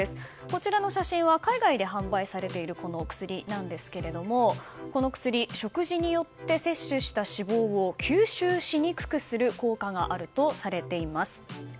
こちらの写真は海外で販売されているこの薬なんですが、この薬は食事によって摂取した脂肪を吸収しにくくする効果があるとされています。